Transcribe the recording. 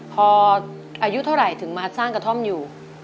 พออายุเท่าไหร่ถึงมาสร้างกระท่อมอยู่